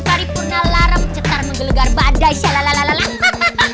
paripurna larap cetar menggelegar badai shalalalalala